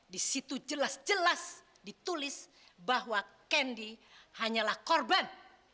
di situ jelas jelas ditulis bahwa kendi hanyalah korban